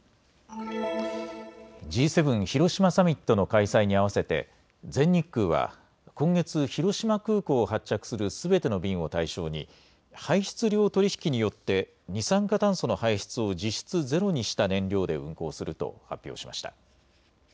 Ｇ７広島サミットの開催に合わせて全日空は今月、広島空港を発着するすべての便を対象に排出量取引によって二酸化炭素の排出を実質ゼロにした燃料で運航すると発表しました。